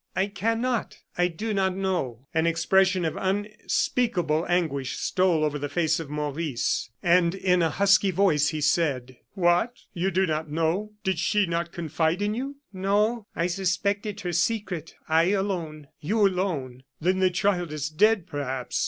"I cannot; I do not know." An expression of unspeakable anguish stole over the face of Maurice, and in a husky voice he said: "What! you do not know! Did she not confide in you?" "No. I suspected her secret. I alone " "You, alone! Then the child is dead, perhaps.